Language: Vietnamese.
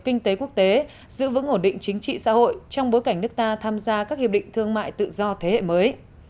kinh tế quốc tế giữ vững ổn định chính trị xã hội trong bối cảnh nước ta tham gia các hiệp định thương mại tự do thế hệ mới